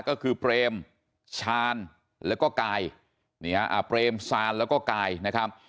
ก็คือเปรมชาญแล้วก็กายเปรมซานแล้วก็กายนะครับ